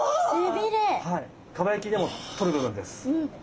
蒲焼きでも取る部分です。